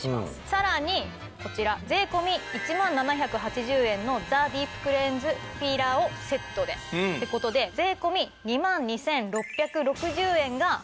さらにこちら税込１万７８０円のザディープクレンズピーラーをセットで。って事で税込２万２６６０円が今回は。